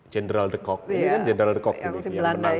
general de kock ini kan general de kock ini yang menangkap ini